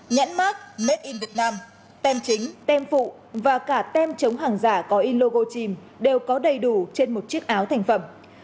nhãn mát made in vietnam tem chính tem phụ và cả tem chống hàng giả có in logo chìm đều có đầy đủ trên một chiếc áo thành phẩm